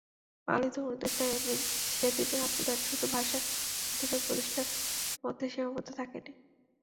বাঙালি তরুণদের সেদিনের আত্মদান শুধু ভাষার অধিকার প্রতিষ্ঠার মধ্যে সীমাবদ্ধ থাকেনি।